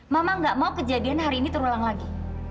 mama gak mau kejadian hari ini terulang lagi